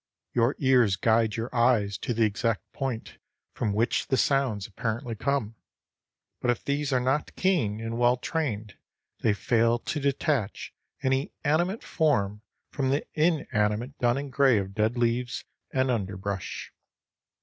Your ears guide your eyes to the exact point from which the sounds apparently come, but if these are not keen and well trained they fail to detach any animate form from the inanimate dun and gray of dead leaves and underbrush.